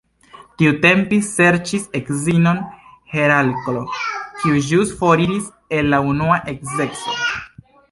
Tiutempe serĉis edzinon Heraklo, kiu ĵus foriris el la unua edzeco.